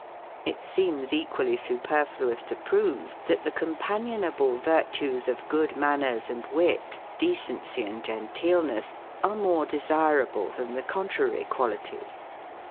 It seems equally superfluous to prove, that the COMPANIONABLE virtues of good manners and wit, decency and genteelness, are more desirable than the contrary qualities.